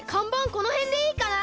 このへんでいいかな？